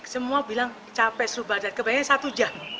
semua bilang capek seluruh badan kebanyakan satu jam